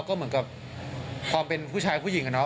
ก็เหมือนกับความเป็นผู้ชายผู้หญิงอะเนาะ